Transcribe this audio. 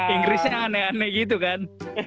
inggrisnya aneh aneh gitu kan